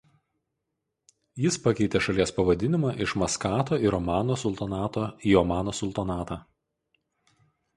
Jis pakeitė šalies pavadinimą iš Maskato ir Omano sultonato į Omano sultonatą.